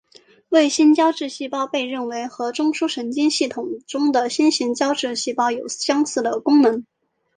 卫星胶质细胞被认为和中枢神经系统中的星型胶质细胞有相似的功能。